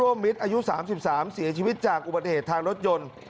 มิตรอายุ๓๓เสียชีวิตจากอุบัติเหตุทางรถยนต์